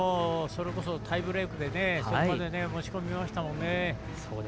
それこそタイブレークで押し込みましたもんね。